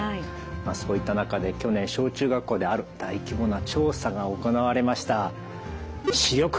そういった中で去年小中学校である大規模な調査が行われました。